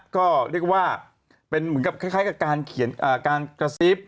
ก็เรียกว่าเป็นเหมือนกับคล้ายกับการเขียนการกระซิบ